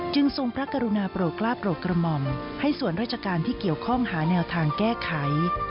ทรงพระกรุณาโปรดกล้าโปรดกระหม่อมให้ส่วนราชการที่เกี่ยวข้องหาแนวทางแก้ไข